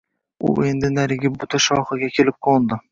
U endi narigi buta shoxiga kelib qo’ndi.